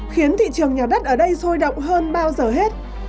khiến thị trường nhà đất ở đây sôi động hơn bao giờ hết